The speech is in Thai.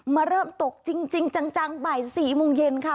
มาเริ่มตกจริงจังบ่าย๔โมงเย็นค่ะ